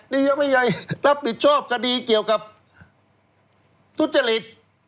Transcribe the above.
นี่ยังไม่ใหญ่รับผิดชอบคดีเกี่ยวกับทุจริต